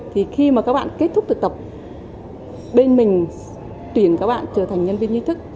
thì khi mà các bạn kết thúc thực tập bên mình tuyển các bạn trở thành nhân viên ý thức